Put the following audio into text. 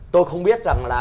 tôi không biết rằng là